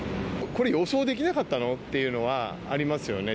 これ、予想できなかったの？っていうのはありますよね。